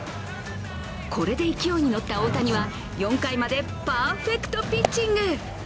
これで勢いに乗った大谷は４回までパーフェクトピッチング。